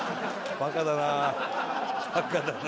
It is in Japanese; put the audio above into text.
バカだな。